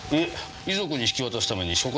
遺族に引き渡すために所轄署の方に。